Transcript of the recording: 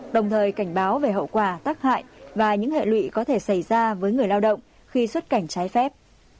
đồng thời cảnh báo về hậu quả tắc hại và những hệ lụy có thể xảy ra với người lao động khi xuất cảnh trái phép